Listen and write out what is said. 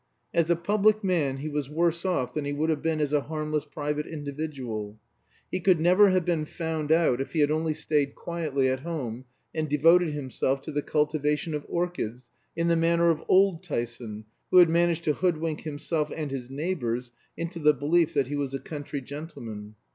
As a public man he was worse off than he would have been as a harmless private individual. He could never have been found out if he had only stayed quietly at home and devoted himself to the cultivation of orchids, in the manner of old Tyson, who had managed to hoodwink himself and his neighbors into the belief that he was a country gentleman.